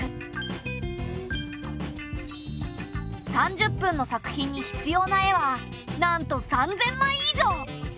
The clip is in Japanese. ３０分の作品に必要な絵はなんと３，０００枚以上！